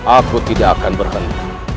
aku tidak akan berhenti